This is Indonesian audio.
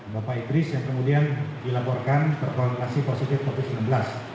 bapak idris yang kemudian dilaporkan terkonfirmasi positif covid sembilan belas